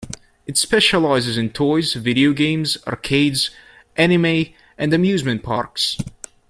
It specializes in toys, video games, arcades, anime, and amusement parks.